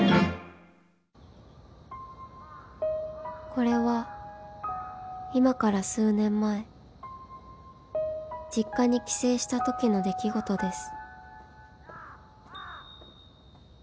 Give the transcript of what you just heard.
［これは今から数年前実家に帰省したときの出来事です］